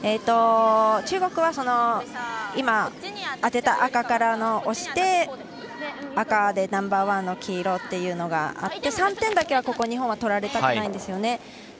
中国は、今当てた赤から押して赤でナンバーワンの黄色というのがあって３点だけは日本は取られたくないんですよね。